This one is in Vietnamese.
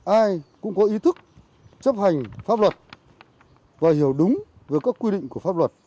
ai cũng có ý thức chấp hành pháp luật và hiểu đúng về các quy định của pháp luật